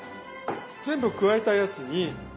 全部加えたやつに。